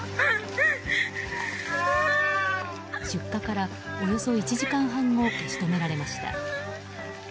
出火からおよそ１時間半後消し止められました。